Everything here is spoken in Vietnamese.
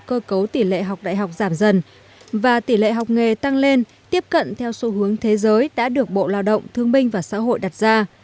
cơ cấu tỷ lệ học đại học giảm dần và tỷ lệ học nghề tăng lên tiếp cận theo xu hướng thế giới đã được bộ lao động thương minh và xã hội đặt ra